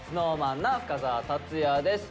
ＳｎｏｗＭａｎの深澤辰哉です。